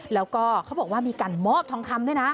แล้วก็เขาบอกว่ามีการมอบทองคำด้วยนะ